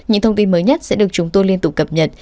những thông tin mới nhất sẽ được chúng tôi liên tục cập nhật